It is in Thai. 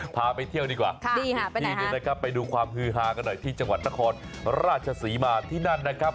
พาไปเที่ยวดีกว่าที่หนึ่งนะครับไปดูความฮือฮากันหน่อยที่จังหวัดนครราชศรีมาที่นั่นนะครับ